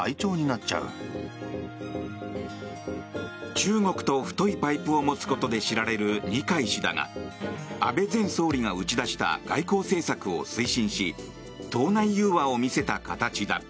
中国と太いパイプを持つことで知られる二階氏だが安倍前総理が打ち出した外交政策を推進し党内融和を見せた形だ。